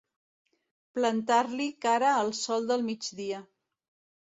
Plantar-li cara al sol del migdia.